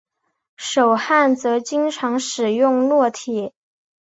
手焊则经常使用烙铁。